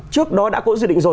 trước đó đã có dự định rồi